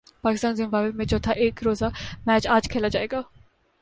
پاکستان اور زمبابوے میں چوتھا ایک روزہ میچ اج کھیلا جائے گا